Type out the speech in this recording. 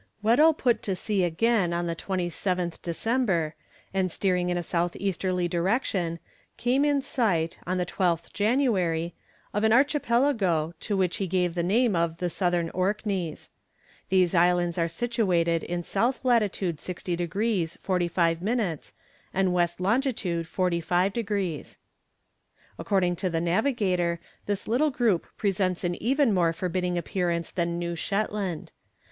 Weddell put to sea again on the 27th December, and steering in a south easterly direction, came in sight, on the 12th January, of an archipelago to which he gave the name of the Southern Orkneys. These islands are situated in S. lat. 60 degrees 45 minutes, and W. long. 45 degrees. According to the navigator, this little group presents an even more forbidding appearance than New Shetland.